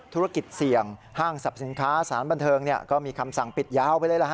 ธุรกิจเสี่ยงห้างสรรพสินค้าสารบันเทิงก็มีคำสั่งปิดยาวไปเลย